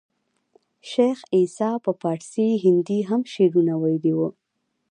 شېخ عیسي په پاړسي هندي هم شعرونه ویلي وو.